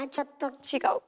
違うか。